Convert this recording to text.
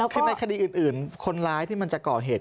คือในคดีอื่นคนร้ายที่มันจะก่อเหตุ